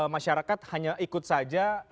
masyarakat hanya ikut saja